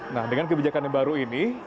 nah dengan kebijakan yang baru ini